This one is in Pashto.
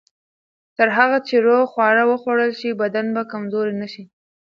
تر هغه چې روغ خواړه وخوړل شي، بدن به کمزوری نه شي.